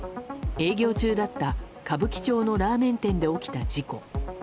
営業中だった、歌舞伎町のラーメン店で起きた事故。